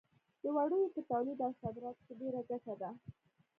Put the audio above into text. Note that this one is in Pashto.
د وړیو په تولید او صادراتو کې ډېره ګټه ده.